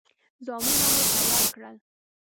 ځانونه مو تیار کړل.